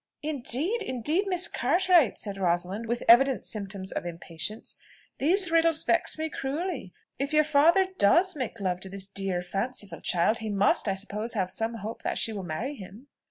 "Indeed! indeed! Miss Cartwright," said Rosalind with evident symptoms of impatience, "these riddles vex me cruelly. If your father does make love to this dear fanciful child, he must, I suppose, have some hope that she will marry him?"